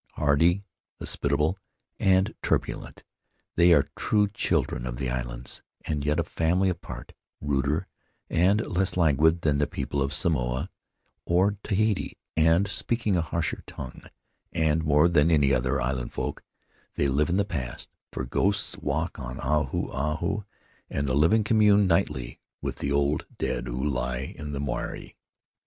Hardy, hospitable, and turbulent, they are true children of the islands, and yet a family apart — ruder and less languid than the people of Samoa or Tahiti, and speaking a harsher tongue. And, more than any other island folk, they live in the past, for Faery Lands of the South Seas ghosts walk on Ahu Ahu, and the living commune nightly with the old dead who he in the marae.